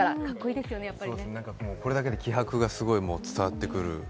そうですね、これだけで気迫がすごい伝わってくる。